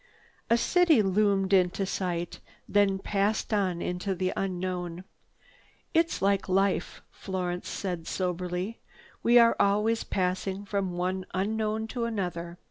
A city loomed into sight, then passed on into the unknown. "It's like life," Florence said soberly. "We are always passing from one unknown to another.